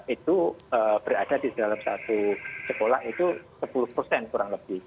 itu berada di dalam satu sekolah itu sepuluh persen kurang lebih